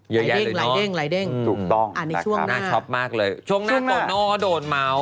เยอะแยะเลยเนอะถูกต้องนะครับชอบมากเลยช่วงหน้าก่อนเนาะโดนเม้า